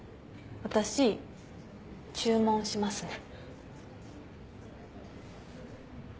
私注文しますね。